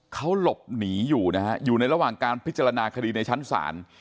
เขาหลบหนีอยู่นะฮะอยู่ในระหว่างการพิจารณาคดีในชั้นศาล